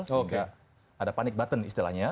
sehingga ada panic button istilahnya